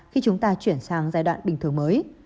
khi chúng ta chuyển sang giai đoạn bình thường mới